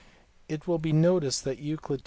It will be noticed that Euc. n.